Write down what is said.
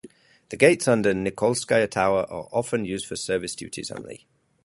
The gates under the Nikolskaya tower are often used for service duties only.